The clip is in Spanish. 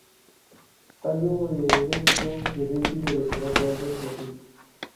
Tallo erecto y rígido de color verde rojizo.